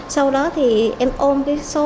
sau đó thì em ôm